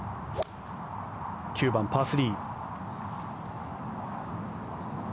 ９番、パー３。